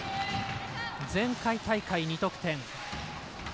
前回大会２得点。